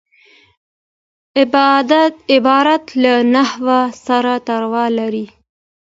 عبارت له نحو سره تړاو لري.